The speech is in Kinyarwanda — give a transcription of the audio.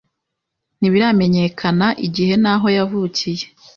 Ntibiramenyekana igihe n'aho yavukiye.